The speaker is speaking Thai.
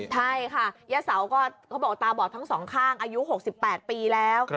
ใช่ค่ะย่าเสาก็เขาบอกตาบอดทั้งสองข้างอายุ๖๘ปีแล้ว